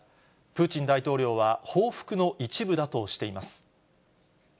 プーチン大統領は報復の一部だとしています。